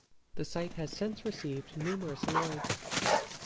The site has since received numerous awards.